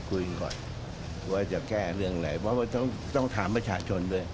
ก็จะแก้เรื่องไหนก็จะต้องถามประชาชนเลย